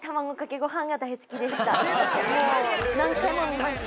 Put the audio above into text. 何回も見ました